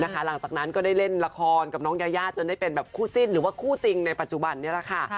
หลังจากนั้นก็ได้เล่นละครกับน้องยายาจนได้เป็นแบบคู่จิ้นหรือว่าคู่จริงในปัจจุบันนี้แหละค่ะ